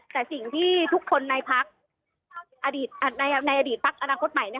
แต่สิ่งที่ทุกคนในพักในอดีตพักอนาคตใหม่